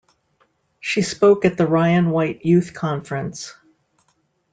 She spoke at the Ryan White Youth Conference.